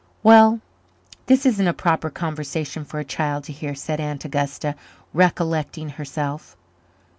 "Well, this isn't a proper conversation for a child to hear," said Aunt Augusta, recollecting herself.